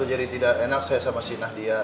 jadi tidak enak saya sama si nadia